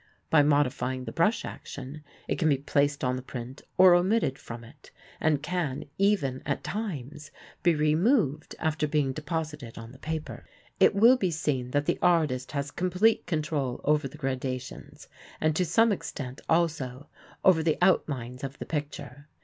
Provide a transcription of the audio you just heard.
By modifying the brush action it can be placed on the print or omitted from it, and can even, at times, be removed after being deposited on the paper. It will be seen that the artist has complete control over the gradations, and to some extent, also, over the outlines of the picture.